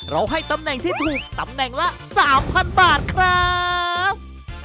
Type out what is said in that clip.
ให้ตำแหน่งที่ถูกตำแหน่งละ๓๐๐บาทครับ